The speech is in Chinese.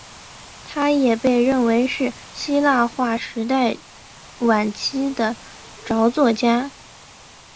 他也被认为是希腊化时代晚期的着作家。